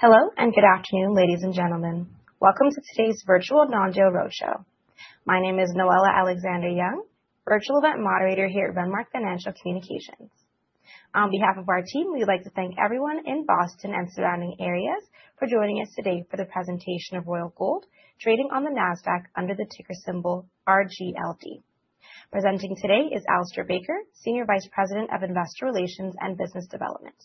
Hello and good afternoon, ladies and gentlemen. Welcome to today's virtual Non-Deal Roadshow. My name is Noella Alexander-Young, Virtual Event Moderator here at Renmark Financial Communications. On behalf of our team, we'd like to thank everyone in Boston and surrounding areas for joining us today for the presentation of Royal Gold trading on the NASDAQ under the ticker symbol RGLD. Presenting today is Alistair Baker, Senior Vice President of Investor Relations and Business Development.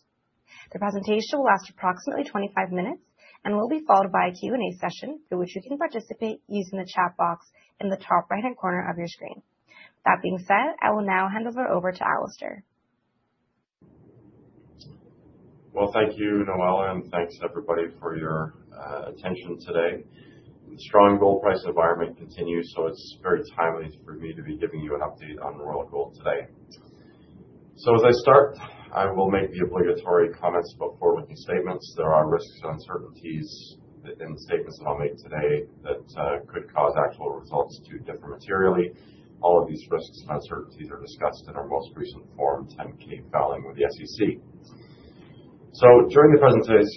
The presentation will last approximately 25 minutes and will be followed by a Q&A session through which you can participate using the chat box in the top right-hand corner of your screen. That being said, I will now hand over to Alistair. Thank you, Noella, and thanks everybody for your attention today. The strong gold price environment continues, so it's very timely for me to be giving you an update on Royal Gold today. As I start, I will make the obligatory comments before making statements. There are risks and uncertainties in the statements that I'll make today that could cause actual results to differ materially. All of these risks and uncertainties are discussed in our most recent Form 10-K filing with the SEC. During the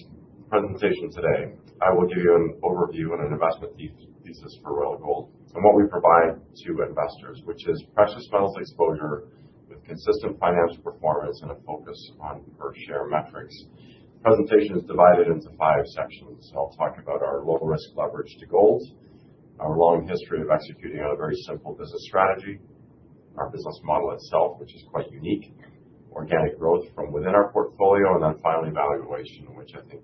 presentation today, I will give you an overview and an investment thesis for Royal Gold and what we provide to investors, which is precious metals exposure with consistent financial performance and a focus on per-share metrics. The presentation is divided into five sections. I'll talk about our low-risk leverage to gold, our long history of executing on a very simple business strategy, our business model itself, which is quite unique, organic growth from within our portfolio, and then finally valuation, which I think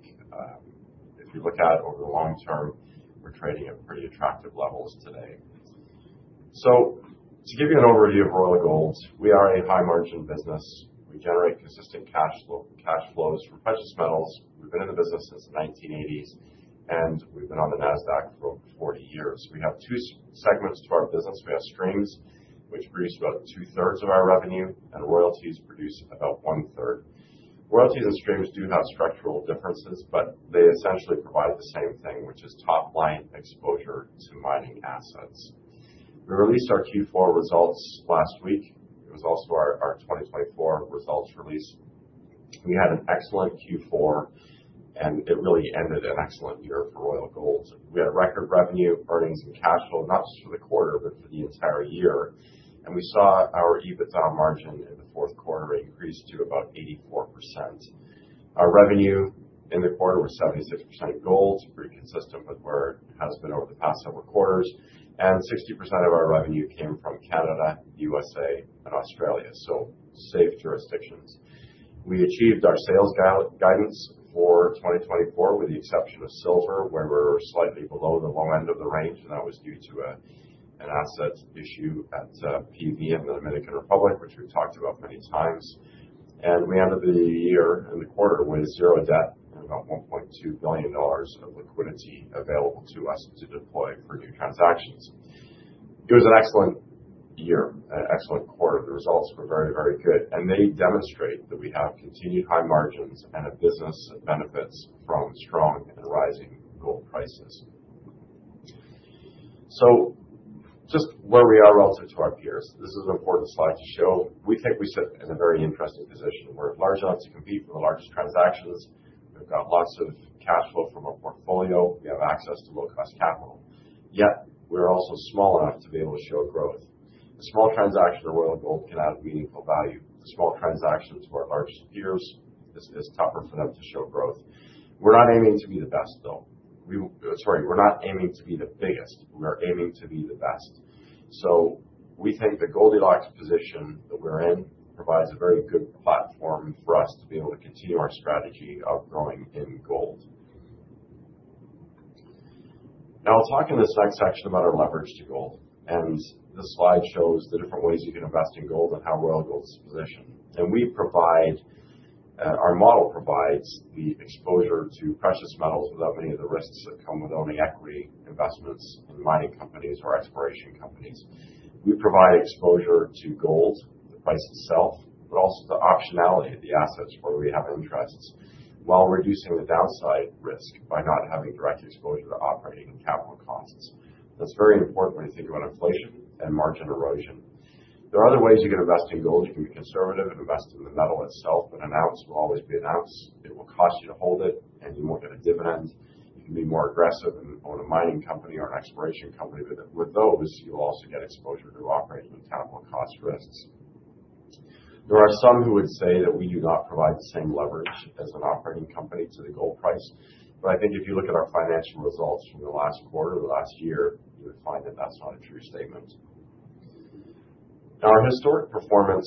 if you look at over the long term, we're trading at pretty attractive levels today. So, to give you an overview of Royal Gold, we are a high-margin business. We generate consistent cash flows from precious metals. We've been in the business since the 1980s, and we've been on the NASDAQ for over 40 years. We have two segments to our business. We have streams, which produce about two-thirds of our revenue, and royalties produce about one-third. Royalties and streams do have structural differences, but they essentially provide the same thing, which is top-line exposure to mining assets. We released our Q4 results last week. It was also our 2024 results release. We had an excellent Q4, and it really ended an excellent year for Royal Gold. We had record revenue, earnings, and cash flow, not just for the quarter, but for the entire year, and we saw our EBITDA margin in the fourth quarter increase to about 84%. Our revenue in the quarter was 76% gold, pretty consistent with where it has been over the past several quarters, and 60% of our revenue came from Canada, the USA, and Australia, so safe jurisdictions. We achieved our sales guidance for 2024, with the exception of silver, where we were slightly below the low end of the range, and that was due to an asset issue at PVM in the Dominican Republic, which we've talked about many times. We ended the year in the quarter with zero debt and about $1.2 billion of liquidity available to us to deploy for new transactions. It was an excellent year, an excellent quarter. The results were very, very good, and they demonstrate that we have continued high margins and a business that benefits from strong and rising gold prices. Just where we are relative to our peers, this is an important slide to show. We think we sit in a very interesting position. We're large enough to compete for the largest transactions. We've got lots of cash flow from our portfolio. We have access to low-cost capital. Yet, we're also small enough to be able to show growth. A small transaction in Royal Gold can add meaningful value. A small transaction to our largest peers is tougher for them to show growth. We're not aiming to be the best, though. Sorry, we're not aiming to be the biggest. We are aiming to be the best. So, we think the Goldilocks position that we're in provides a very good platform for us to be able to continue our strategy of growing in gold. Now, I'll talk in this next section about our leverage to gold, and the slide shows the different ways you can invest in gold and how Royal Gold is positioned. And we provide, our model provides the exposure to precious metals without many of the risks that come with owning equity investments in mining companies or exploration companies. We provide exposure to gold, the price itself, but also the optionality of the assets where we have interests while reducing the downside risk by not having direct exposure to operating capital costs. That's very important when you think about inflation and margin erosion. There are other ways you can invest in gold. You can be conservative and invest in the metal itself, but an ounce will always be an ounce. It will cost you to hold it, and you won't get a dividend. You can be more aggressive and own a mining company or an exploration company, but with those, you will also get exposure to operating capital cost risks. There are some who would say that we do not provide the same leverage as an operating company to the gold price, but I think if you look at our financial results from the last quarter or the last year, you would find that that's not a true statement. Now, our historic performance,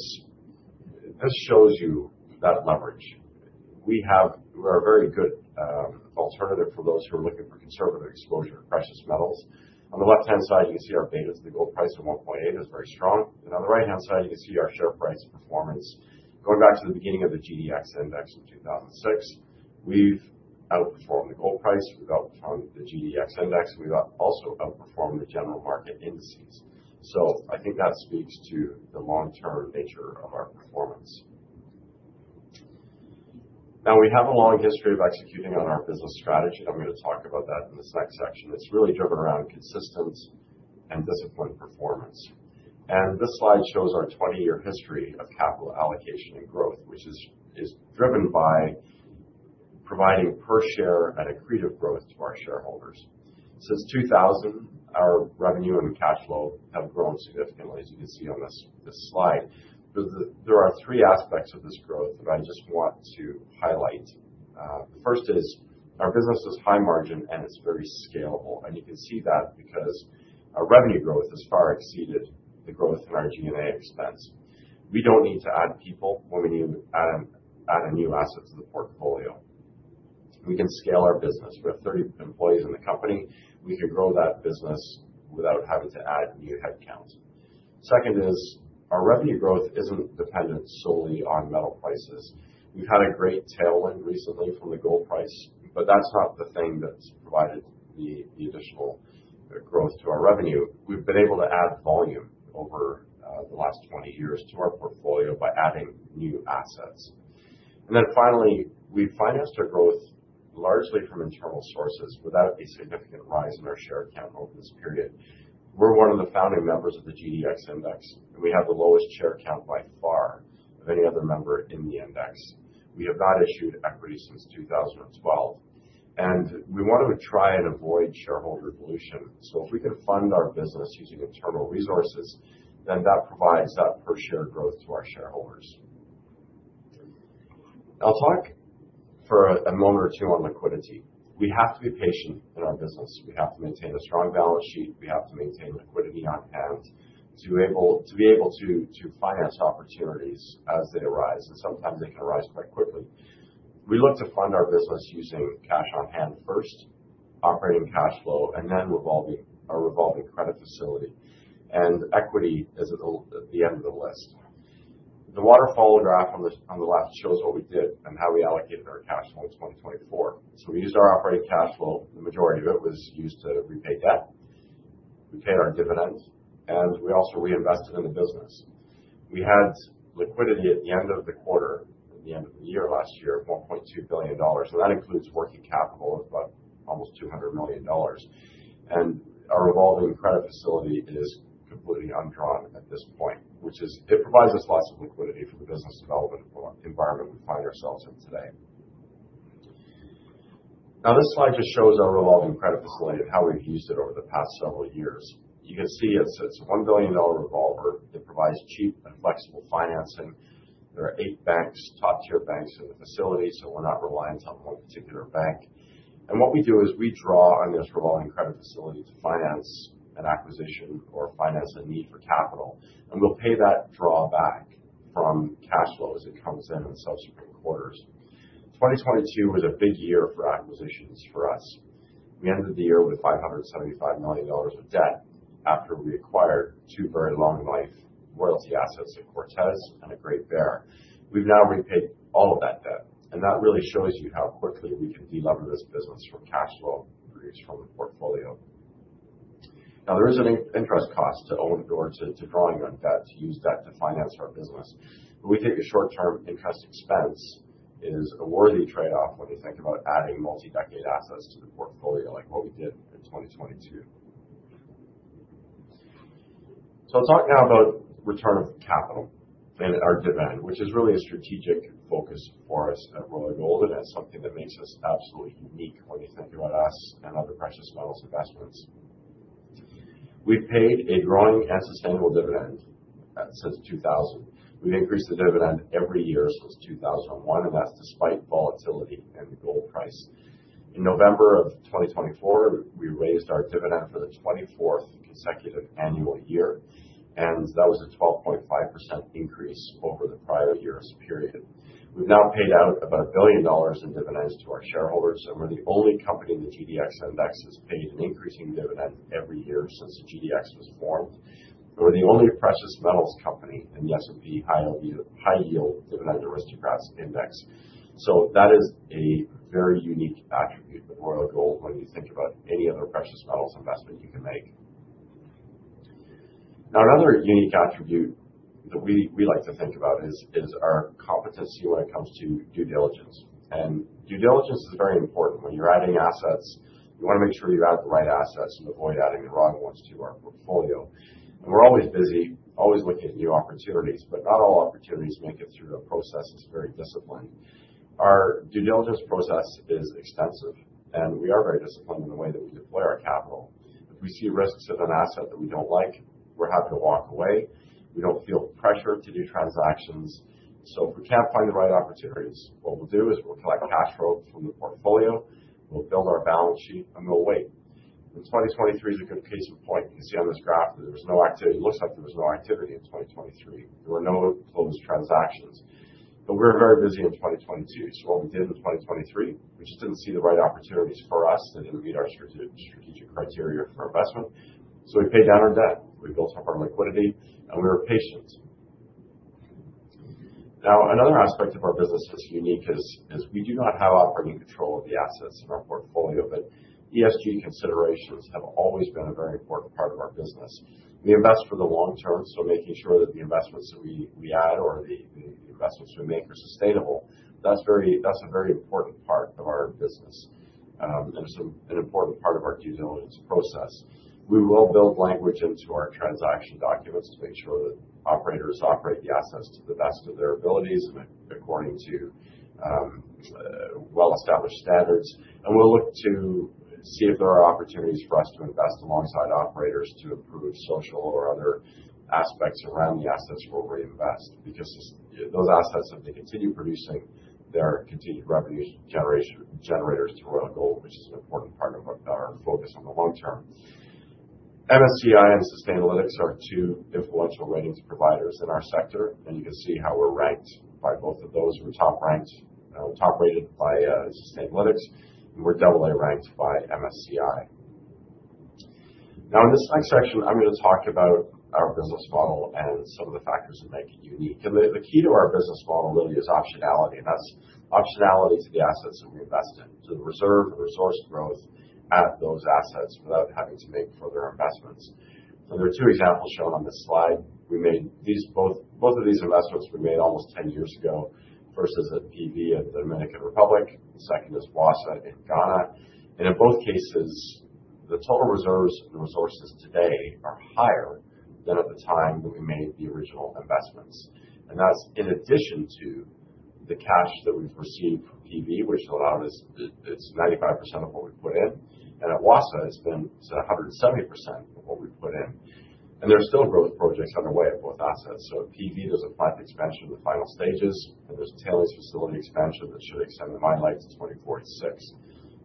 this shows you that leverage. We have a very good alternative for those who are looking for conservative exposure to precious metals. On the left-hand side, you can see our betas to the gold price of 1.8 is very strong, and on the right-hand side, you can see our share price performance. Going back to the beginning of the GDX index in 2006, we've outperformed the gold price. We've outperformed the GDX index. We've also outperformed the general market indices. So, I think that speaks to the long-term nature of our performance. Now, we have a long history of executing on our business strategy, and I'm going to talk about that in this next section. It's really driven around consistency and disciplined performance, and this slide shows our 20-year history of capital allocation and growth, which is driven by providing per-share accretive growth to our shareholders. Since 2000, our revenue and cash flow have grown significantly, as you can see on this slide. There are three aspects of this growth that I just want to highlight. The first is our business is high margin, and it's very scalable. You can see that because our revenue growth has far exceeded the growth in our G&A expense. We don't need to add people when we need to add a new asset to the portfolio. We can scale our business. We have 30 employees in the company. We can grow that business without having to add new headcount. Second is our revenue growth isn't dependent solely on metal prices. We've had a great tailwind recently from the gold price, but that's not the thing that's provided the additional growth to our revenue. We've been able to add volume over the last 20 years to our portfolio by adding new assets. And then finally, we've financed our growth largely from internal sources without a significant rise in our share count over this period. We're one of the founding members of the GDX index, and we have the lowest share count by far of any other member in the index. We have not issued equity since 2012, and we want to try and avoid shareholder dilution. So, if we can fund our business using internal resources, then that provides that per-share growth to our shareholders. I'll talk for a moment or two on liquidity. We have to be patient in our business. We have to maintain a strong balance sheet. We have to maintain liquidity on hand to be able to finance opportunities as they arise, and sometimes they can arise quite quickly. We look to fund our business using cash on hand first, operating cash flow, and then a revolving credit facility, and equity is at the end of the list. The waterfall graph on the left shows what we did and how we allocated our cash flow in 2024, so we used our operating cash flow. The majority of it was used to repay debt. We paid our dividend, and we also reinvested in the business. We had liquidity at the end of the quarter, at the end of the year last year, of $1.2 billion, and that includes working capital of about almost $200 million, and our revolving credit facility is completely undrawn at this point, which provides us lots of liquidity for the business development environment we find ourselves in today. Now, this slide just shows our revolving credit facility and how we've used it over the past several years. You can see it's a $1 billion revolver. It provides cheap and flexible financing. There are eight banks, top-tier banks in the facility, so we're not reliant on one particular bank. And what we do is we draw on this revolving credit facility to finance an acquisition or finance a need for capital, and we'll pay that back from cash flow as it comes in in subsequent quarters. 2022 was a big year for acquisitions for us. We ended the year with $575 million of debt after we acquired two very long-life royalty assets, a Cortez and a Great Bear. We've now repaid all of that debt, and that really shows you how quickly we can deleverage this business from cash flow produced from the portfolio. Now, there is an interest cost to own or to draw on debt, to use debt to finance our business, but we think a short-term interest expense is a worthy trade-off when you think about adding multi-decade assets to the portfolio like what we did in 2022. So, I'll talk now about return of capital and our dividend, which is really a strategic focus for us at Royal Gold and is something that makes us absolutely unique when you think about us and other precious metals investments. We've paid a growing and sustainable dividend since 2000. We've increased the dividend every year since 2001, and that's despite volatility in the gold price. In November of 2024, we raised our dividend for the 24th consecutive annual year, and that was a 12.5% increase over the prior year's period. We've now paid out about $1 billion in dividends to our shareholders, and we're the only company in the GDX index that's paid an increasing dividend every year since the GDX was formed. We're the only precious metals company in the S&P High Yield Dividend Aristocrats Index. So, that is a very unique attribute with Royal Gold when you think about any other precious metals investment you can make. Now, another unique attribute that we like to think about is our competency when it comes to due diligence. And due diligence is very important. When you're adding assets, you want to make sure you add the right assets and avoid adding the wrong ones to our portfolio. And we're always busy, always looking at new opportunities, but not all opportunities make it through a process that's very disciplined. Our due diligence process is extensive, and we are very disciplined in the way that we deploy our capital. If we see risks in an asset that we don't like, we're happy to walk away. We don't feel pressure to do transactions. So, if we can't find the right opportunities, what we'll do is we'll collect cash flow from the portfolio, we'll build our balance sheet, and we'll wait. And 2023 is a good case in point. You can see on this graph that there was no activity. It looks like there was no activity in 2023. There were no closed transactions. But we were very busy in 2022. So, what we did in 2023, we just didn't see the right opportunities for us that didn't meet our strategic criteria for investment. So, we paid down our debt. We built up our liquidity, and we were patient. Now, another aspect of our business that's unique is we do not have operating control of the assets in our portfolio, but ESG considerations have always been a very important part of our business. We invest for the long term, so making sure that the investments that we add or the investments we make are sustainable, that's a very important part of our business and an important part of our due diligence process. We will build language into our transaction documents to make sure that operators operate the assets to the best of their abilities and according to well-established standards. And we'll look to see if there are opportunities for us to invest alongside operators to improve social or other aspects around the assets we'll reinvest because those assets, if they continue producing, they're continued revenue generators to Royal Gold, which is an important part of our focus on the long term. MSCI and Sustainalytics are two influential ratings providers in our sector, and you can see how we're ranked by both of those. We're top-rated by Sustainalytics, and we're AA ranked by MSCI. Now, in this next section, I'm going to talk about our business model and some of the factors that make it unique. And the key to our business model really is optionality, and that's optionality to the assets that we invest in, to the reserve and resource growth at those assets without having to make further investments. So, there are two examples shown on this slide. Both of these investments were made almost 10 years ago, first as a PV in the Dominican Republic, the second as Wassa in Ghana, and in both cases, the total reserves and resources today are higher than at the time that we made the original investments, and that's in addition to the cash that we've received from PV, which allowed us. It's 95% of what we put in, and at Wassa, it's 170% of what we put in, and there are still growth projects underway at both assets, so at PV, there's a plant expansion in the final stages, and there's a tailings facility expansion that should extend the mine life to 2046.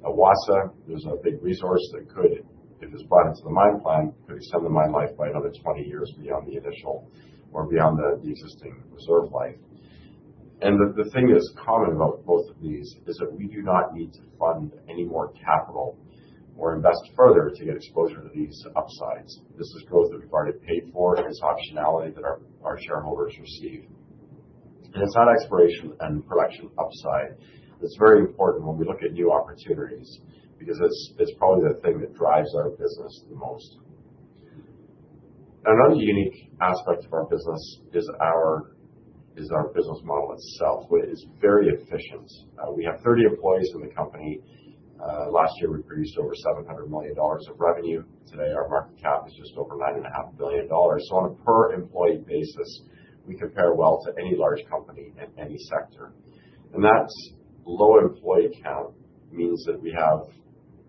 At Wassa, there's a big resource that could, if it's brought into the mine plant, could extend the mine life by another 20 years beyond the initial or beyond the existing reserve life. The thing that's common about both of these is that we do not need to fund any more capital or invest further to get exposure to these upsides. This is growth that we've already paid for, and it's optionality that our shareholders receive. And it's not exploration and production upside. It's very important when we look at new opportunities because it's probably the thing that drives our business the most. Another unique aspect of our business is our business model itself. It's very efficient. We have 30 employees in the company. Last year, we produced over $700 million of revenue. Today, our market cap is just over $9.5 billion. So, on a per-employee basis, we compare well to any large company in any sector. And that low employee count means that we have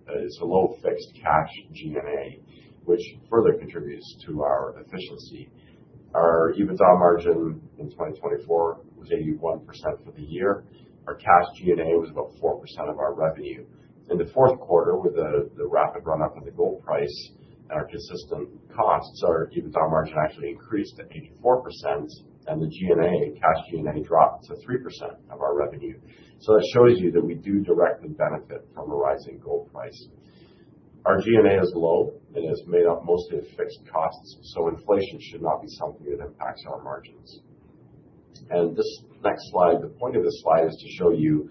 a low fixed cash G&A, which further contributes to our efficiency. Our EBITDA margin in 2024 was 81% for the year. Our Cash G&A was about 4% of our revenue. In the fourth quarter, with the rapid run-up in the gold price and our consistent costs, our EBITDA margin actually increased to 84%, and the G&A, Cash G&A, dropped to 3% of our revenue. That shows you that we do directly benefit from a rising gold price. Our G&A is low. It is made up mostly of fixed costs, so inflation should not be something that impacts our margins. This next slide, the point of this slide is to show you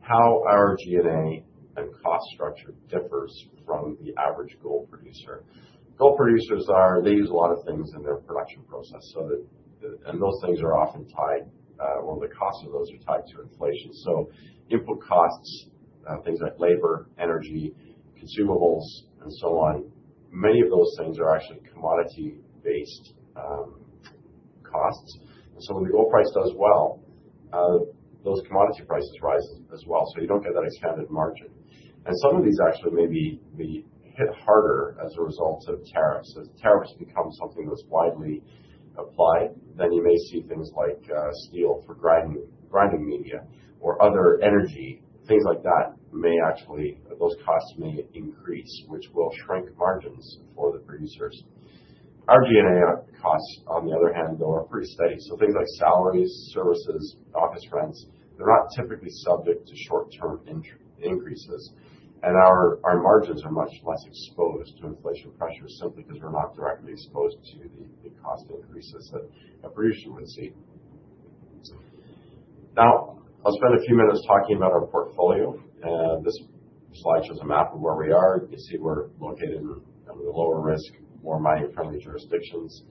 how our G&A and cost structure differs from the average gold producer. Gold producers, they use a lot of things in their production process, and those things are often tied, or the costs of those are tied to inflation. Input costs, things like labor, energy, consumables, and so on, many of those things are actually commodity-based costs. When the gold price does well, those commodity prices rise as well, so you don't get that expanded margin. Some of these actually maybe hit harder as a result of tariffs. As tariffs become something that's widely applied, then you may see things like steel for grinding media or other energy, things like that may actually, those costs may increase, which will shrink margins for the producers. Our G&A costs, on the other hand, though, are pretty steady. Things like salaries, services, office rents, they're not typically subject to short-term increases, and our margins are much less exposed to inflation pressure simply because we're not directly exposed to the cost increases that a producer would see. Now, I'll spend a few minutes talking about our portfolio. This slide shows a map of where we are. You can see we're located in the lower risk, more mine-friendly jurisdictions.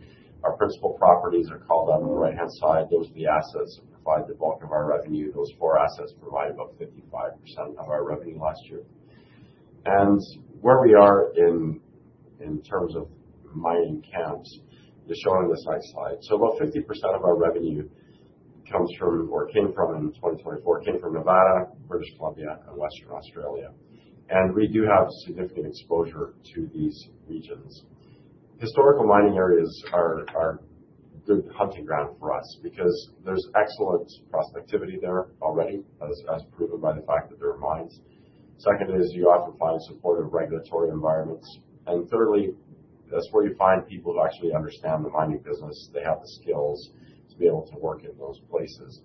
Our principal properties are called out on the right-hand side. Those are the assets that provide the bulk of our revenue. Those four assets provide about 55% of our revenue last year. And where we are in terms of mining camps, just showing this next slide. So, about 50% of our revenue comes from, or came from in 2024, came from Nevada, British Columbia, and Western Australia. And we do have significant exposure to these regions. Historical mining areas are good hunting ground for us because there's excellent prospectivity there already, as proven by the fact that there are mines. Second is you often find supportive regulatory environments. And thirdly, that's where you find people who actually understand the mining business. They have the skills to be able to work in those places.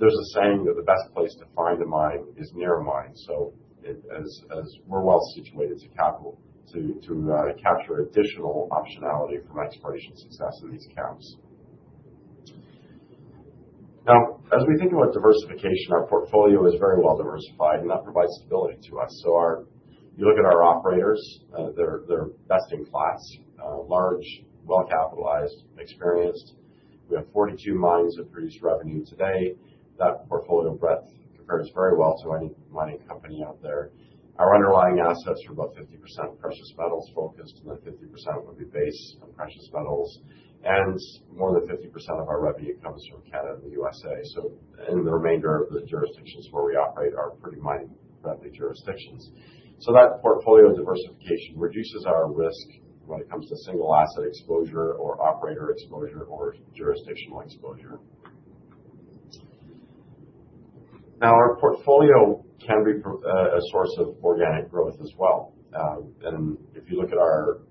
There's a saying that the best place to find a mine is near a mine. So, we're well situated to capture additional optionality from exploration success in these camps. Now, as we think about diversification, our portfolio is very well diversified, and that provides stability to us. So, you look at our operators, they're best in class, large, well-capitalized, experienced. We have 42 mines that produce revenue today. That portfolio breadth compares very well to any mining company out there. Our underlying assets are about 50% precious metals focused, and then 50% would be base and precious metals. And more than 50% of our revenue comes from Canada and the USA. So, and the remainder of the jurisdictions where we operate are pretty mining-friendly jurisdictions. That portfolio diversification reduces our risk when it comes to single asset exposure or operator exposure or jurisdictional exposure. Now, our portfolio can be a source of organic growth as well. And if you look at our portfolio,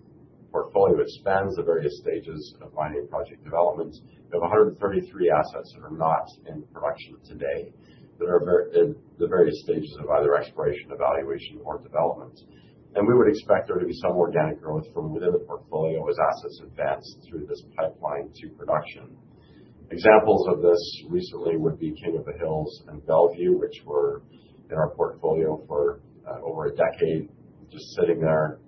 it spans the various stages of mining project development. We have 133 assets that are not in production today that are at the various stages of either exploration, evaluation, or development. And we would expect there to be some organic growth from within the portfolio as assets advance through this pipeline to production. Examples of this recently would be King of the Hills and Bellevue, which were in our portfolio for over a decade, just sitting there.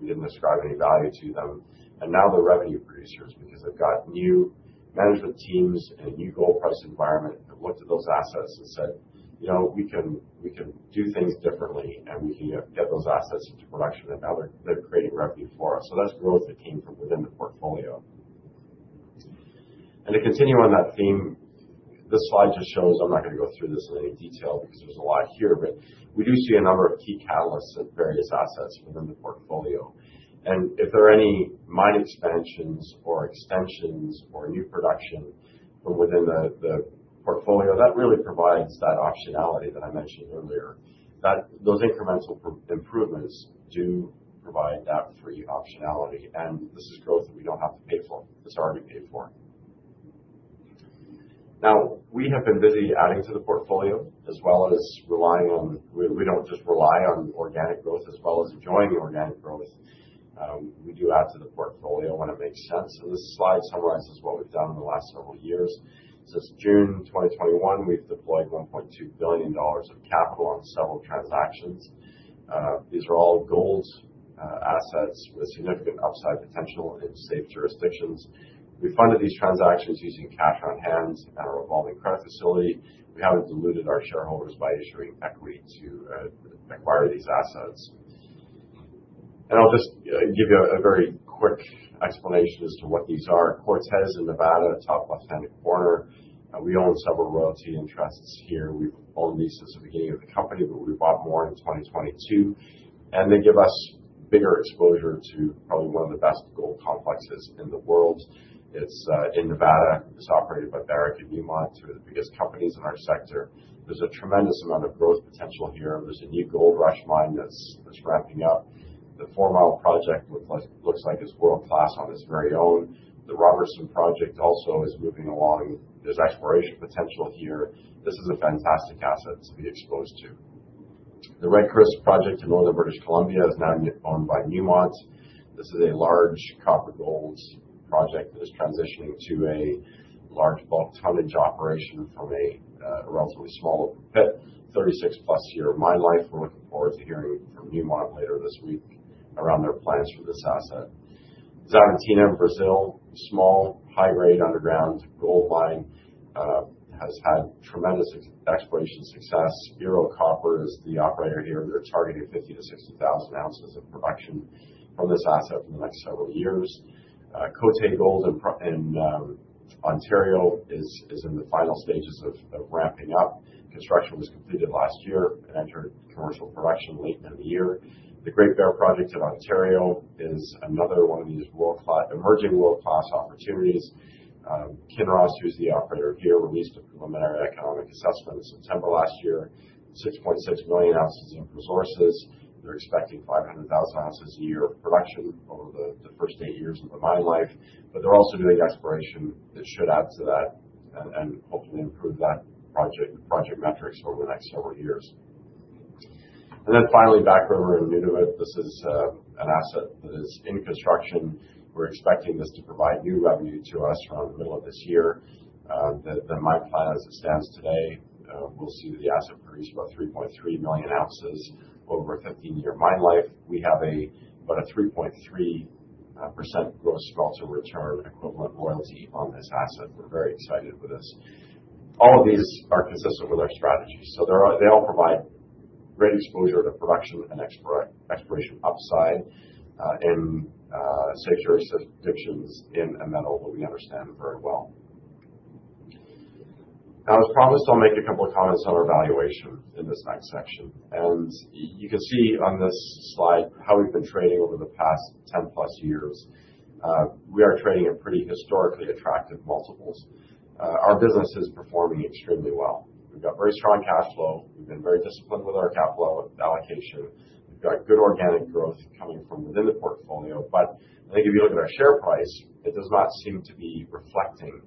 We didn't ascribe any value to them. And now they're revenue producers because they've got new management teams and a new gold price environment. They've looked at those assets and said, you know, we can do things differently, and we can get those assets into production, and now they're creating revenue for us. So, that's growth that came from within the portfolio. And to continue on that theme, this slide just shows, I'm not going to go through this in any detail because there's a lot here, but we do see a number of key catalysts at various assets within the portfolio. And if there are any mine expansions or extensions or new production from within the portfolio, that really provides that optionality that I mentioned earlier. Those incremental improvements do provide that free optionality, and this is growth that we don't have to pay for. It's already paid for. Now, we have been busy adding to the portfolio as well as relying on. We don't just rely on organic growth as well as enjoying organic growth. We do add to the portfolio when it makes sense, and this slide summarizes what we've done in the last several years. Since June 2021, we've deployed $1.2 billion of capital on several transactions. These are all gold assets with significant upside potential in safe jurisdictions. We funded these transactions using cash on hand at our revolving credit facility. We haven't diluted our shareholders by issuing equity to acquire these assets, and I'll just give you a very quick explanation as to what these are. Cortez in Nevada, top left-hand corner. We own several royalty interests here. We've owned these since the beginning of the company, but we bought more in 2022. They give us bigger exposure to probably one of the best gold complexes in the world. It's in Nevada. It's operated by Barrick and Newmont, two of the biggest companies in our sector. There's a tremendous amount of growth potential here. There's a new Goldrush Mine that's ramping up. The Four Mile Project looks like it's world-class on its very own. The Robertson Property also is moving along. There's exploration potential here. This is a fantastic asset to be exposed to. The Red Chris Mine in northern British Columbia is now owned by Newmont. This is a large copper gold project that is transitioning to a large bulk tonnage operation from a relatively small open pit, 36-plus year mine life. We're looking forward to hearing from Newmont later this week around their plans for this asset. Xavantina in Brazil, small, high-grade underground gold mine, has had tremendous exploration success. Ero Copper is the operator here. They're targeting 50,000-60,000 ounces of production from this asset in the next several years. Côté Gold in Ontario is in the final stages of ramping up. Construction was completed last year and entered commercial production late in the year. The Great Bear Project in Ontario is another one of these emerging world-class opportunities. Kinross, who's the operator here, released a preliminary economic assessment in September last year, 6.6 million ounces of resources. They're expecting 500,000 ounces a year of production over the first eight years of the mine life. But they're also doing exploration that should add to that and hopefully improve that project metrics over the next several years. And then finally, Back River in Nunavut. This is an asset that is in construction. We're expecting this to provide new revenue to us around the middle of this year. The mine plan, as it stands today, we'll see the asset produce about 3.3 million ounces over a 15-year mine life. We have about a 3.3% gross smelter return equivalent royalty on this asset. We're very excited with this. All of these are consistent with our strategy. So, they all provide great exposure to production and exploration upside in safe jurisdictions in a metal that we understand very well. Now, as promised, I'll make a couple of comments on our valuation in this next section. And you can see on this slide how we've been trading over the past 10-plus years. We are trading at pretty historically attractive multiples. Our business is performing extremely well. We've got very strong cash flow. We've been very disciplined with our capital allocation. We've got good organic growth coming from within the portfolio, but I think if you look at our share price, it does not seem to be reflecting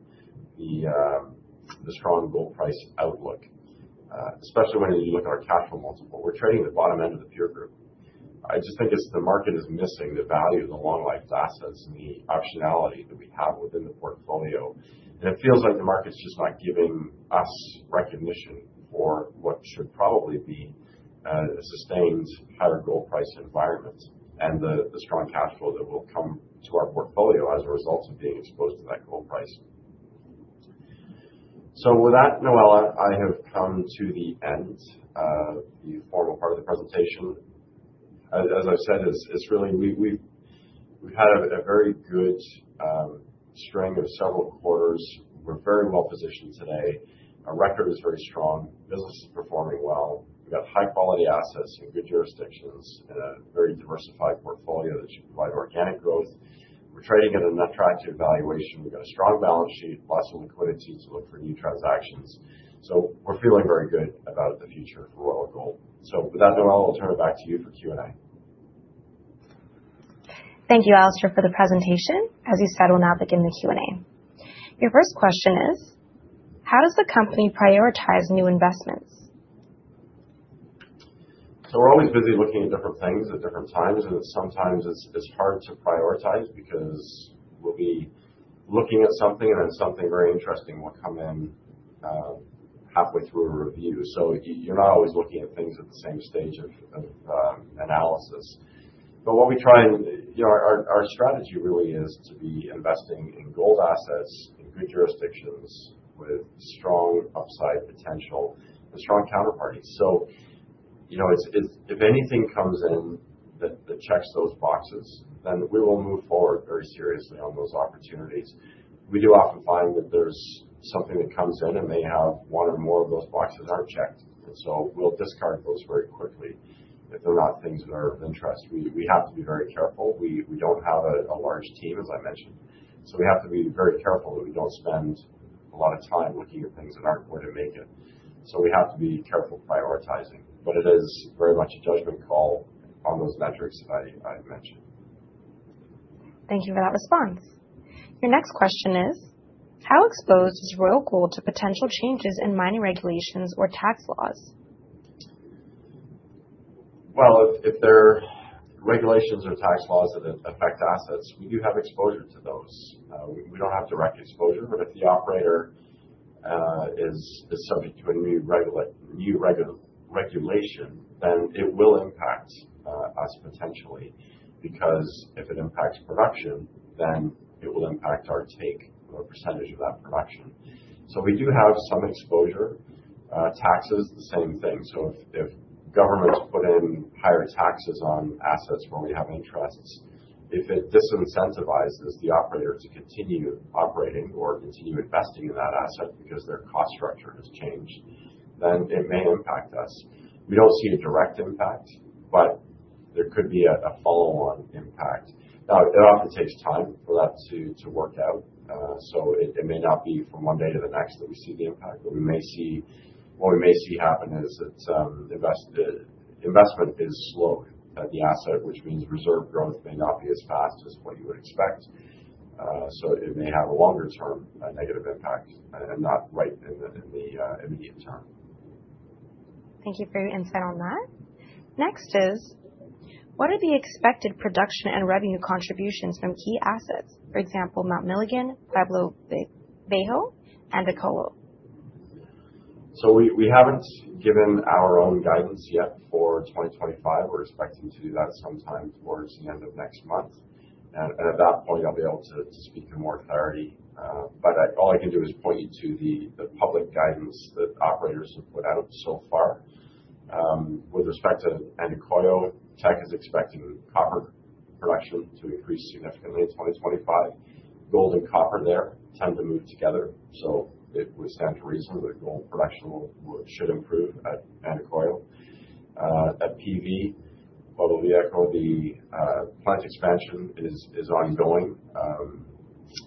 the strong gold price outlook, especially when you look at our cash flow multiple. We're trading at the bottom end of the peer group. I just think the market is missing the value of the long-life assets and the optionality that we have within the portfolio, and it feels like the market's just not giving us recognition for what should probably be a sustained higher gold price environment and the strong cash flow that will come to our portfolio as a result of being exposed to that gold price, so with that, Noel, I have come to the end of the formal part of the presentation. As I've said, it's really, we've had a very good string of several quarters. We're very well positioned today. Our record is very strong. Business is performing well. We've got high-quality assets in good jurisdictions and a very diversified portfolio that should provide organic growth. We're trading at an attractive valuation. We've got a strong balance sheet, lots of liquidity to look for new transactions. So, we're feeling very good about the future for Royal Gold. So, with that, Noella, I'll turn it back to you for Q&A. Thank you, Alistair, for the presentation. As you said, we'll now begin the Q&A. Your first question is, how does the company prioritize new investments? So, we're always busy looking at different things at different times, and sometimes it's hard to prioritize because we'll be looking at something, and then something very interesting will come in halfway through a review. So, you're not always looking at things at the same stage of analysis. What we try and, you know, our strategy really is to be investing in gold assets in good jurisdictions with strong upside potential and strong counterparties, so you know, if anything comes in that checks those boxes, then we will move forward very seriously on those opportunities. We do often find that there's something that comes in and may have one or more of those boxes aren't checked, and so, we'll discard those very quickly if they're not things that are of interest. We have to be very careful. We don't have a large team, as I mentioned, so we have to be very careful that we don't spend a lot of time looking at things that aren't going to make it, so we have to be careful prioritizing, but it is very much a judgment call on those metrics that I mentioned. Thank you for that response. Your next question is, how exposed is Royal Gold to potential changes in mining regulations or tax laws? Well, if there are regulations or tax laws that affect assets, we do have exposure to those. We don't have direct exposure, but if the operator is subject to a new regulation, then it will impact us potentially because if it impacts production, then it will impact our take or percentage of that production. So, we do have some exposure. Taxes are the same thing. So, if governments put in higher taxes on assets where we have interests, if it disincentivizes the operator to continue operating or continue investing in that asset because their cost structure has changed, then it may impact us. We don't see a direct impact, but there could be a follow-on impact. Now, it often takes time for that to work out. So, it may not be from one day to the next that we see the impact, but what we may see happen is that investment is slowed at the asset, which means reserve growth may not be as fast as what you would expect. So, it may have a longer-term negative impact and not right in the immediate term. Thank you for your insight on that. Next is, what are the expected production and revenue contributions from key assets, for example, Mount Milligan, Pueblo Viejo, and Andacollo? So, we haven't given our own guidance yet for 2025. We're expecting to do that sometime towards the end of next month. And at that point, I'll be able to speak in more clarity. But all I can do is point you to the public guidance that operators have put out so far. With respect to Andacollo, Teck is expecting copper production to increase significantly in 2025. Gold and copper there tend to move together, so it would stand to reason that gold production should improve at Andacollo. At PV, Pueblo Viejo, the plant expansion is ongoing.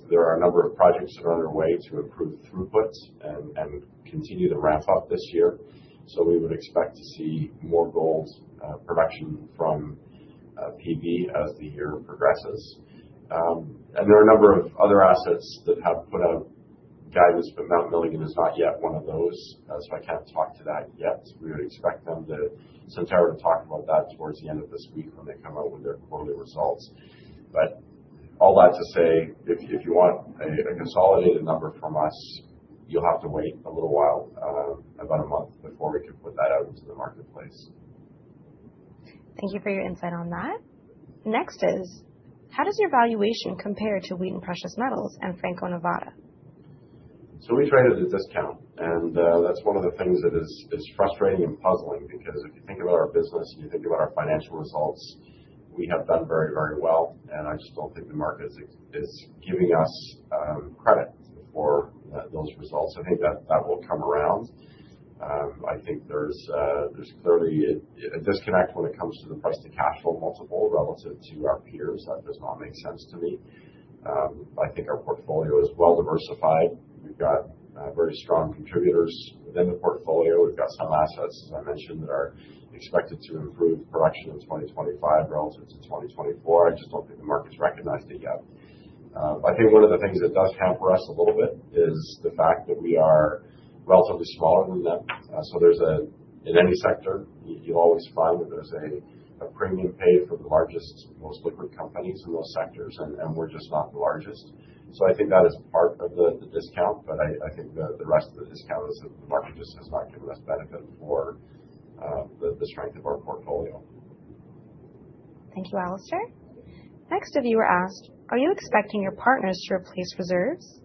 There are a number of projects that are underway to improve throughput and continue to ramp up this year, so we would expect to see more gold production from PV as the year progresses, and there are a number of other assets that have put out guidance, but Mount Milligan is not yet one of those, so I can't talk to that yet. We would expect them to, since we're to talk about that towards the end of this week when they come out with their quarterly results. But all that to say, if you want a consolidated number from us, you'll have to wait a little while, about a month, before we can put that out into the marketplace. Thank you for your insight on that. Next is, how does your valuation compare to Wheaton Precious Metals and Franco-Nevada? So, we trade at a discount. And that's one of the things that is frustrating and puzzling because if you think about our business and you think about our financial results, we have done very, very well. And I just don't think the market is giving us credit for those results. I think that will come around. I think there's clearly a disconnect when it comes to the price-to-cash flow multiple relative to our peers. That does not make sense to me. I think our portfolio is well diversified. We've got very strong contributors within the portfolio. We've got some assets, as I mentioned, that are expected to improve production in 2025 relative to 2024. I just don't think the market's recognized it yet. I think one of the things that does hamper us a little bit is the fact that we are relatively small in that. So, there's a, in any sector, you'll always find that there's a premium paid for the largest, most liquid companies in those sectors, and we're just not the largest. So, I think that is part of the discount. But I think the rest of the discount is that the market just has not given us benefit for the strength of our portfolio. Thank you, Alistair. Next, a viewer asked, are you expecting your partners to replace reserves?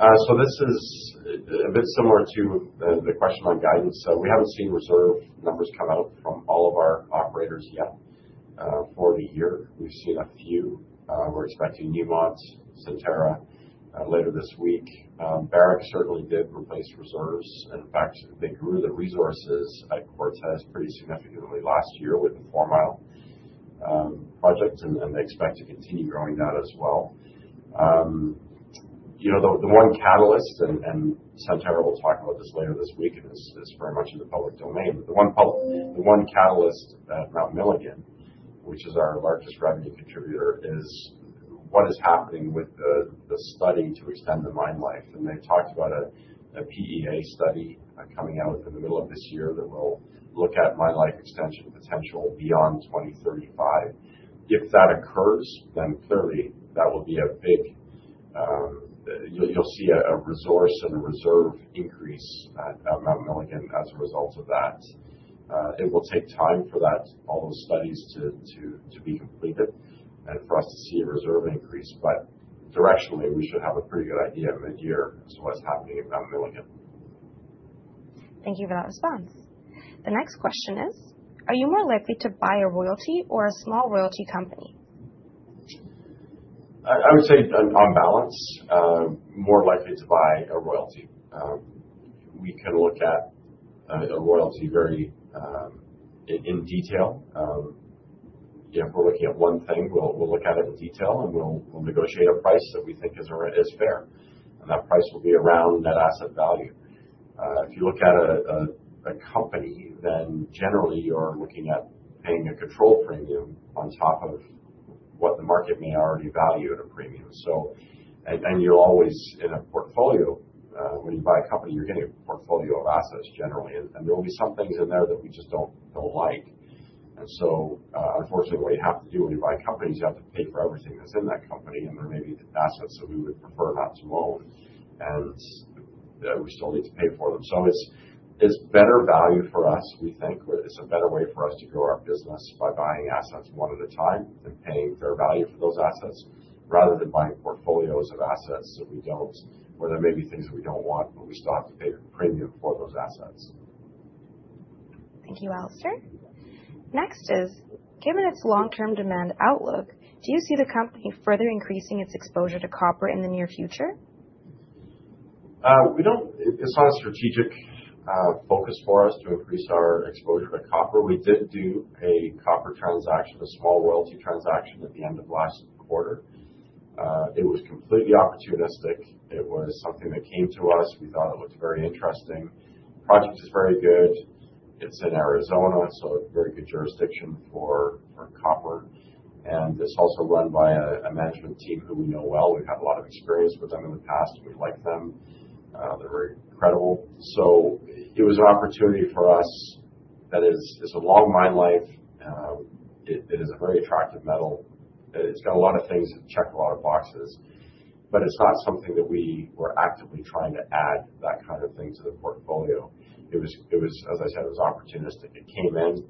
So, this is a bit similar to the question on guidance. We haven't seen reserve numbers come out from all of our operators yet for the year. We've seen a few. We're expecting Newmont, Centerra later this week. Barrick certainly did replace reserves. In fact, they grew the resources at Cortez pretty significantly last year with the Four Mile Project, and they expect to continue growing that as well. You know, the one catalyst, and Centerra will talk about this later this week, and it's very much in the public domain, but the one catalyst at Mount Milligan, which is our largest revenue contributor, is what is happening with the study to extend the mine life. They've talked about a PEA study coming out in the middle of this year that will look at mine life extension potential beyond 2035. If that occurs, then clearly that will be a big, you'll see a resource and a reserve increase at Mount Milligan as a result of that. It will take time for all those studies to be completed and for us to see a reserve increase. But directionally, we should have a pretty good idea of mid-year as to what's happening at Mount Milligan. Thank you for that response. The next question is, are you more likely to buy a royalty or a small royalty company? I would say on balance, more likely to buy a royalty. We can look at a royalty very in detail. If we're looking at one thing, we'll look at it in detail, and we'll negotiate a price that we think is fair. And that price will be around that asset value. If you look at a company, then generally you're looking at paying a Control Premium on top of what the market may already value at a premium. So, and you'll always, in a portfolio, when you buy a company, you're getting a portfolio of assets generally. And there will be some things in there that we just don't like. And so, unfortunately, what you have to do when you buy companies, you have to pay for everything that's in that company. And there may be assets that we would prefer not to own, and we still need to pay for them. So, it's better value for us, we think. It's a better way for us to grow our business by buying assets one at a time and paying fair value for those assets rather than buying portfolios of assets that we don't, where there may be things that we don't want, but we still have to pay a premium for those assets. Thank you, Alistair. Next is, given its long-term demand outlook, do you see the company further increasing its exposure to copper in the near future? It's not a strategic focus for us to increase our exposure to copper. We did do a copper transaction, a small royalty transaction at the end of last quarter. It was completely opportunistic. It was something that came to us. We thought it looked very interesting. The project is very good. It's in Arizona, so a very good jurisdiction for copper. And it's also run by a management team who we know well. We've had a lot of experience with them in the past, and we like them. They're very credible. So, it was an opportunity for us that is a long mine life. It is a very attractive metal. It's got a lot of things that check a lot of boxes, but it's not something that we were actively trying to add that kind of thing to the portfolio. It was, as I said, it was opportunistic. It came in.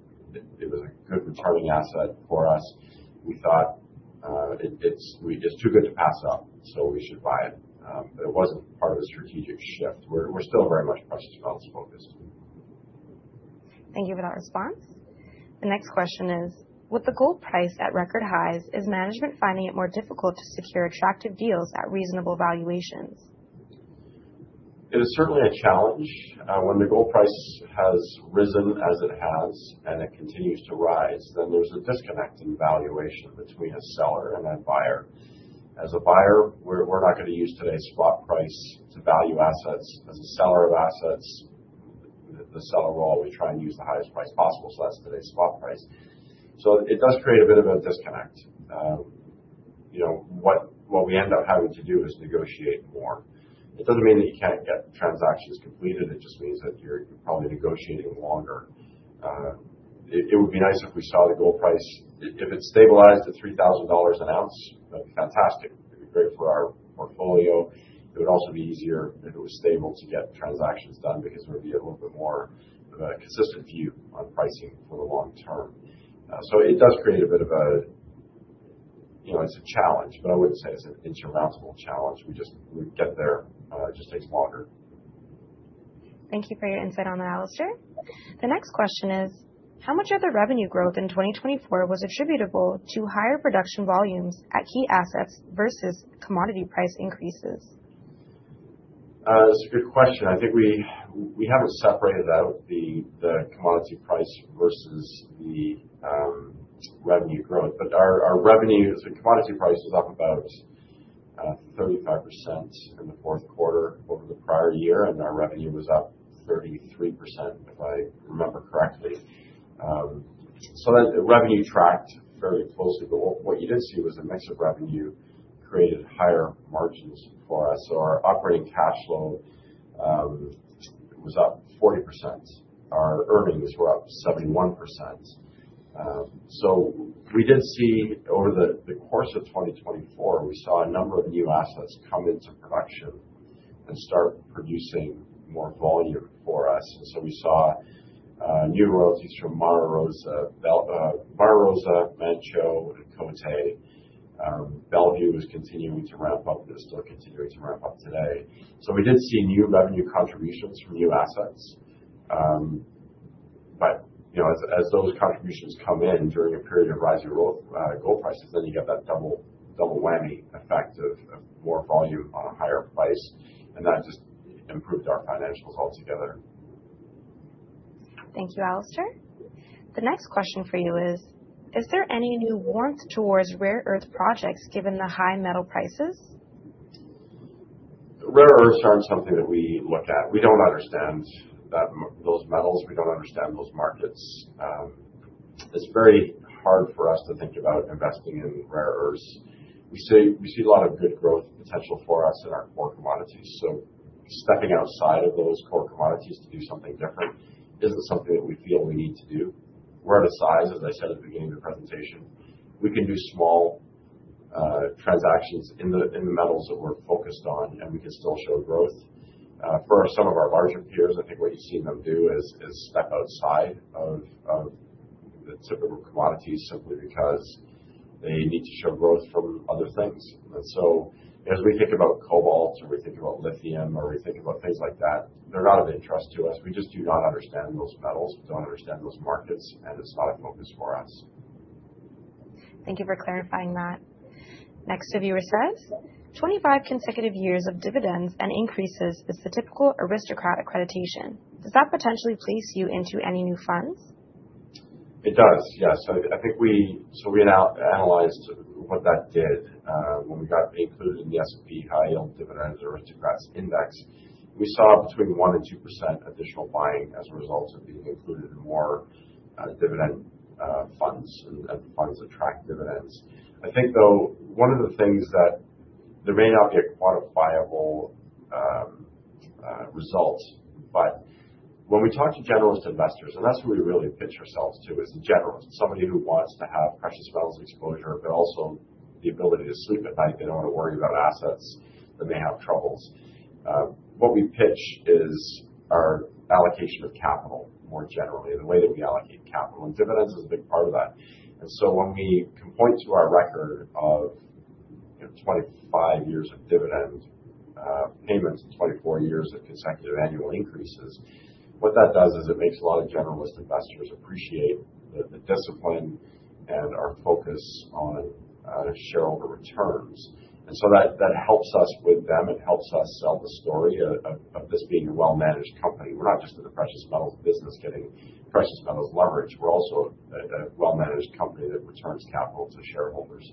It was a good returning asset for us. We thought it's too good to pass up, so we should buy it. But it wasn't part of a strategic shift. We're still very much precious metals focused. Thank you for that response. The next question is, with the gold price at record highs, is management finding it more difficult to secure attractive deals at reasonable valuations? It is certainly a challenge. When the gold price has risen as it has and it continues to rise, then there's a disconnect in valuation between a seller and a buyer. As a buyer, we're not going to use today's spot price to value assets. As a seller of assets, the seller will always try and use the highest price possible. So, that's today's spot price. So, it does create a bit of a disconnect. You know, what we end up having to do is negotiate more. It doesn't mean that you can't get transactions completed. It just means that you're probably negotiating longer. It would be nice if we saw the gold price, if it stabilized at $3,000 an ounce, that'd be fantastic. It'd be great for our portfolio. It would also be easier if it was stable to get transactions done because there would be a little bit more of a consistent view on pricing for the long term. So, it does create a bit of a, you know, it's a challenge, but I wouldn't say it's an insurmountable challenge. We just, we get there. It just takes longer. Thank you for your insight on that, Alistair. The next question is, how much of the revenue growth in 2024 was attributable to higher production volumes at key assets versus commodity price increases? That's a good question. I think we haven't separated out the commodity price versus the revenue growth. But our revenue, the commodity price was up about 35% in the fourth quarter over the prior year, and our revenue was up 33%, if I remember correctly. So, that revenue tracked fairly closely. But what you did see was a mix of revenue created higher margins for us. So, our operating cash flow was up 40%. Our earnings were up 71%. So, we did see over the course of 2024, we saw a number of new assets come into production and start producing more volume for us. And so, we saw new royalties from Mara Rosa, Mara Rosa, Manh Choh, and Côté. Bellevue was continuing to ramp up. It is still continuing to ramp up today. So, we did see new revenue contributions from new assets. But, you know, as those contributions come in during a period of rising gold prices, then you get that double whammy effect of more volume on a higher price. And that just improved our financials altogether. Thank you, Alistair. The next question for you is, is there any new warmth towards rare earth projects given the high metal prices? Rare earths aren't something that we look at. We don't understand those metals. We don't understand those markets. It's very hard for us to think about investing in rare earths. We see a lot of good growth potential for us in our core commodities. So, stepping outside of those core commodities to do something different isn't something that we feel we need to do. We're at a size, as I said at the beginning of the presentation, we can do small transactions in the metals that we're focused on, and we can still show growth. For some of our larger peers, I think what you've seen them do is step outside of the commodities simply because they need to show growth from other things. And so, as we think about cobalt, or we think about lithium, or we think about things like that, they're not of interest to us. We just do not understand those metals. We don't understand those markets, and it's not a focus for us. Thank you for clarifying that. Next, a viewer says, 25 consecutive years of dividends and increases is the typical aristocrat accreditation. Does that potentially place you into any new funds? It does, yes. I think we, so we analyzed what that did when we got included in the S&P High Yield Dividend Aristocrats Index. We saw between 1% and 2% additional buying as a result of being included in more dividend funds and funds that track dividends. I think, though, one of the things that there may not be a quantifiable result, but when we talk to generalist investors, and that's who we really pitch ourselves to, is a generalist, somebody who wants to have precious metals exposure, but also the ability to sleep at night. They don't want to worry about assets when they have troubles. What we pitch is our allocation of capital more generally, the way that we allocate capital. And dividends is a big part of that. And so, when we can point to our record of 25 years of dividend payments and 24 years of consecutive annual increases, what that does is it makes a lot of generalist investors appreciate the discipline and our focus on shareholder returns. And so, that helps us with them. It helps us sell the story of this being a well-managed company. We're not just in the precious metals business getting precious metals leverage. We're also a well-managed company that returns capital to shareholders.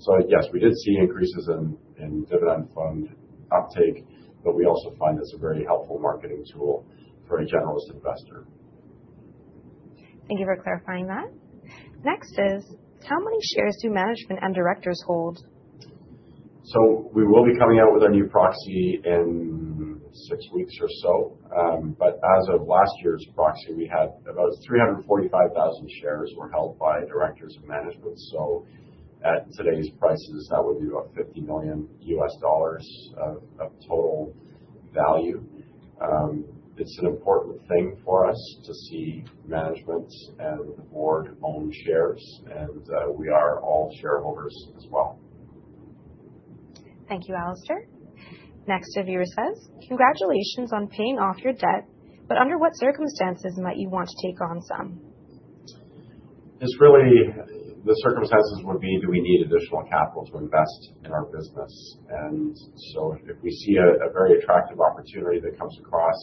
So, yes, we did see increases in dividend fund uptake, but we also find that's a very helpful marketing tool for a generalist investor. Thank you for clarifying that. Next is, how many shares do management and directors hold? So, we will be coming out with our new proxy in six weeks or so. But as of last year's proxy, we had about 345,000 shares held by directors of management. So, at today's prices, that would be about $50 million of total value. It's an important thing for us to see management and the board own shares, and we are all shareholders as well. Thank you, Alistair. Next, a viewer says, "Congratulations on paying off your debt, but under what circumstances might you want to take on some?" It's really the circumstances would be, do we need additional capital to invest in our business? And so, if we see a very attractive opportunity that comes across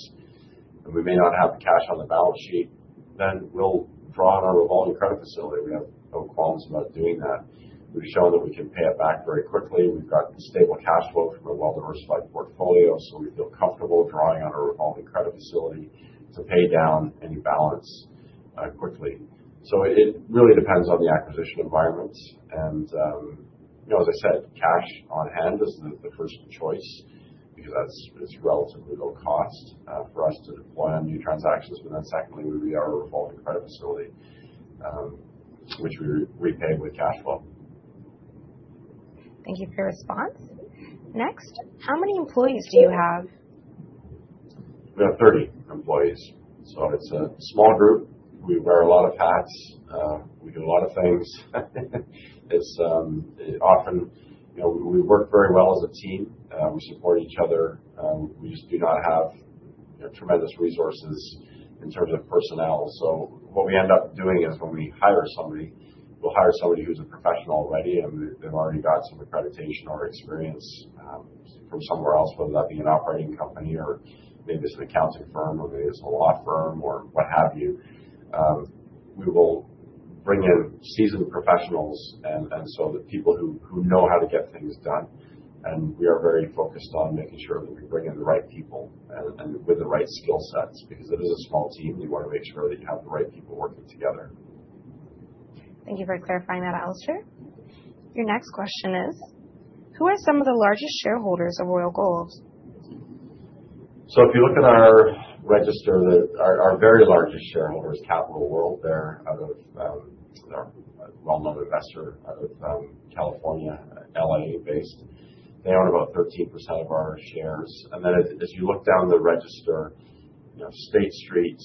and we may not have the cash on the balance sheet, then we'll draw on our revolving credit facility. We have no qualms about doing that. We've shown that we can pay it back very quickly. We've got stable cash flow from a well-diversified portfolio, so we feel comfortable drawing on our revolving credit facility to pay down any balance quickly. So, it really depends on the acquisition environment. And, you know, as I said, cash on hand is the first choice because it's relatively low cost for us to deploy on new transactions. But then, secondly, we have our revolving credit facility, which we repay with cash flow. Thank you for your response. Next, how many employees do you have? We have 30 employees. So, it's a small group. We wear a lot of hats. We do a lot of things. It's often, you know, we work very well as a team. We support each other. We just do not have tremendous resources in terms of personnel. So, what we end up doing is when we hire somebody, we'll hire somebody who's a professional already, and they've already got some accreditation or experience from somewhere else, whether that be an operating company or maybe it's an accounting firm or maybe it's a law firm or what have you. We will bring in seasoned professionals and so the people who know how to get things done. We are very focused on making sure that we bring in the right people and with the right skill sets because it is a small team. You want to make sure that you have the right people working together. Thank you for clarifying that, Alistair. Your next question is, who are some of the largest shareholders of Royal Gold? If you look at our register, our very largest shareholder is Capital World. They're out of, they're a well-known investor out of California, LA based. They own about 13% of our shares. And then as you look down the register, you know, State Street,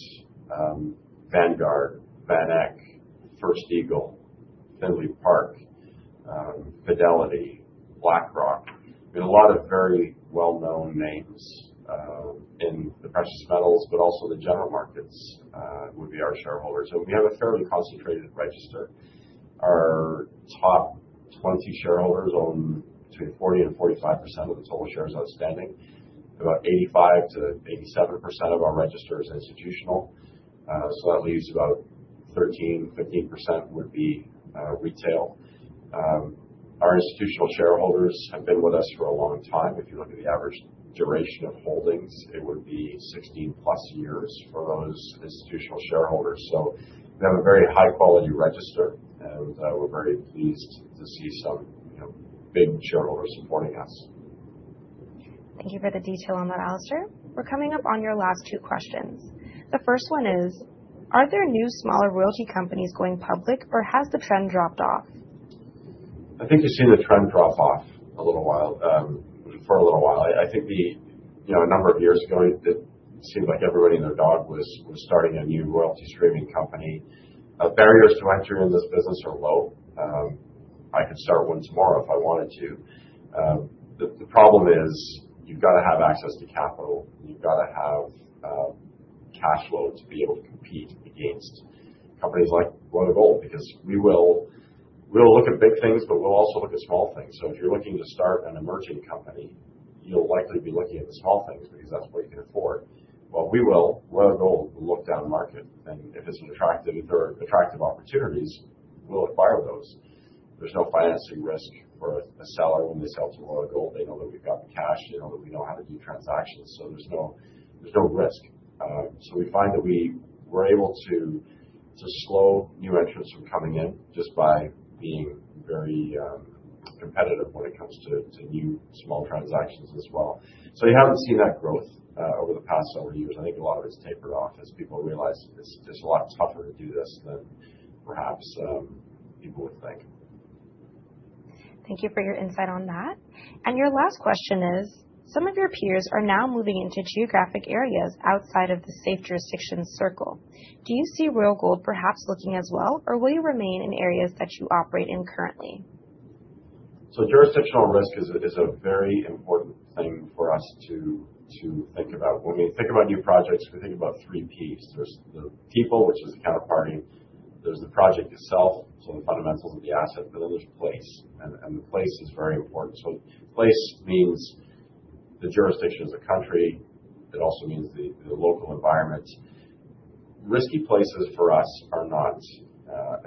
Vanguard, VanEck, First Eagle, Findlay Park, Fidelity, BlackRock. We have a lot of very well-known names in the precious metals, but also the general markets would be our shareholders. We have a fairly concentrated register. Our top 20 shareholders own between 40% and 45% of the total shares outstanding. About 85%-87% of our register is institutional. So, that leaves about 13%, 15% would be retail. Our institutional shareholders have been with us for a long time. If you look at the average duration of holdings, it would be 16 plus years for those institutional shareholders. So, we have a very high-quality register, and we're very pleased to see some, you know, big shareholders supporting us. Thank you for the detail on that, Alistair. We're coming up on your last two questions. The first one is, are there new smaller royalty companies going public, or has the trend dropped off? I think you've seen the trend drop off a little while, for a little while. I think, you know, a number of years ago, it seemed like everybody and their dog was starting a new royalty streaming company. Barriers to entering this business are low. I could start one tomorrow if I wanted to. The problem is you've got to have access to capital. You've got to have cash flow to be able to compete against companies like Royal Gold because we will look at big things, but we'll also look at small things. So, if you're looking to start an emerging company, you'll likely be looking at the small things because that's what you can afford. Well, we will. Royal Gold will look down market, and if it's an attractive opportunity, we'll acquire those. There's no financing risk for a seller. When they sell to Royal Gold, they know that we've got the cash. They know that we know how to do transactions. So, there's no risk. So, we find that we were able to slow new entrants from coming in just by being very competitive when it comes to new small transactions as well. So, you haven't seen that growth over the past several years. I think a lot of it's tapered off as people realize it's a lot tougher to do this than perhaps people would think. Thank you for your insight on that. And your last question is, some of your peers are now moving into geographic areas outside of the safe jurisdiction circle. Do you see Royal Gold perhaps looking as well, or will you remain in areas that you operate in currently? So, jurisdictional risk is a very important thing for us to think about. When we think about new projects, we think about three Ps. There's the people, which is the counterparty. There's the project itself, so the fundamentals of the asset. But then there's place. And the place is very important. So, place means the jurisdiction is a country. It also means the local environment. Risky places for us are not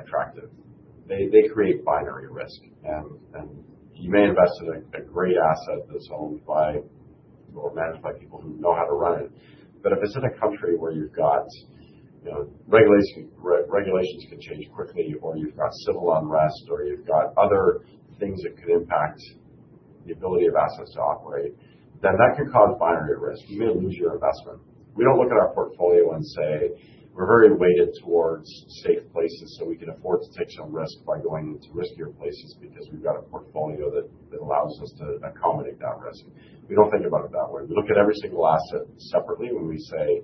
attractive. They create binary risk. And you may invest in a great asset that's owned by or managed by people who know how to run it. But if it's in a country where you've got, you know, regulations can change quickly, or you've got civil unrest, or you've got other things that could impact the ability of assets to operate, then that can cause binary risk. You may lose your investment. We don't look at our portfolio and say, we're very weighted towards safe places, so we can afford to take some risk by going into riskier places because we've got a portfolio that allows us to accommodate that risk. We don't think about it that way. We look at every single asset separately when we say,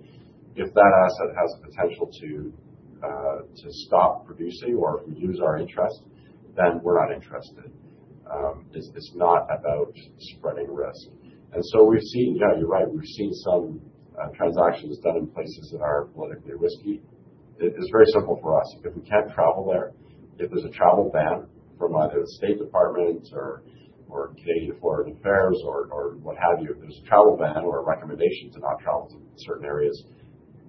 if that asset has the potential to stop producing or if we lose our interest, then we're not interested. It's not about spreading risk, and so we've seen, yeah, you're right. We've seen some transactions done in places that are politically risky. It's very simple for us. If we can't travel there, if there's a travel ban from either the State Department or Canadian Foreign Affairs or what have you, if there's a travel ban or a recommendation to not travel to certain areas,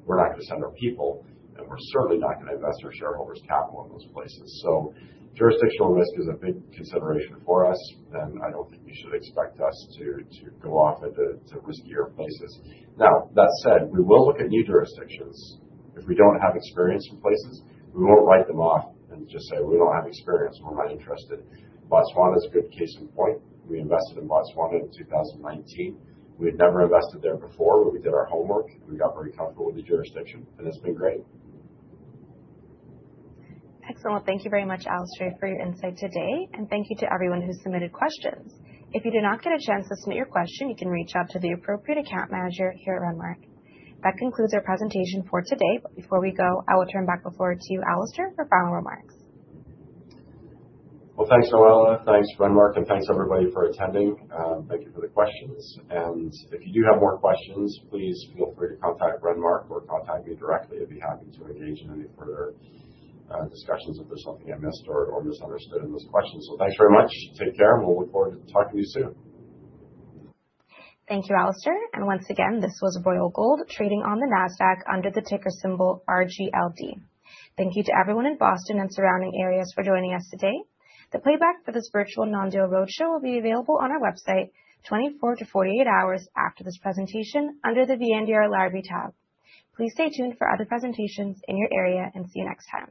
we're not going to send our people, and we're certainly not going to invest our shareholders' capital in those places, so jurisdictional risk is a big consideration for us, and I don't think you should expect us to go off into riskier places. Now, that said, we will look at new jurisdictions. If we don't have experience in places, we won't write them off and just say, we don't have experience. We're not interested. Botswana is a good case in point. We invested in Botswana in 2019. We had never invested there before, but we did our homework, and we got very comfortable with the jurisdiction, and it's been great. Excellent. Thank you very much, Alistair, for your insight today. And thank you to everyone who submitted questions. If you do not get a chance to submit your question, you can reach out to the appropriate account manager here at Renmark. That concludes our presentation for today. But before we go, I will turn back the floor to Alistair for final remarks. Well, thanks, Noella. Thanks, Renmark, and thanks everybody for attending. Thank you for the questions. If you do have more questions, please feel free to contact Renmark or contact me directly. I'd be happy to engage in any further discussions if there's something I missed or misunderstood in those questions. Thanks very much. Take care, and we'll look forward to talking to you soon. Thank you, Alistair. Once again, this was Royal Gold trading on the NASDAQ under the ticker symbol RGLD. Thank you to everyone in Boston and surrounding areas for joining us today. The playback for this virtual non-deal roadshow will be available on our website 24-48 hours after this presentation under the VNDR Library tab. Please stay tuned for other presentations in your area, and see you next time.